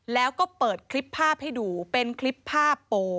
แล้วก็เปิดคลิปภาพให้ดูเป็นคลิปภาพโป